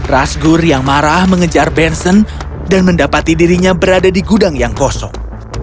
rasgur yang marah mengejar benson dan mendapati dirinya berada di gudang yang kosong